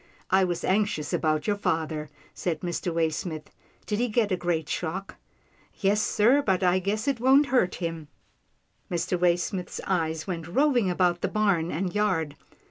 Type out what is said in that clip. " I was anxious about your father," said Mr. Waysmith. "Did he get a great shock?" " Yes sir, but I guess it won't hurt him." Mr. Waysmith's eyes went roving about the barn and yard.